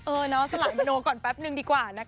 เออเนาะสลายเมโน่ก่อนแปปนึงดีกว่านะคะ